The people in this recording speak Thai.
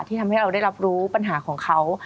ทำให้เราได้รับรู้ปัญหาของเขา